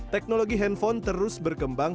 teknologi handphone terus berkembang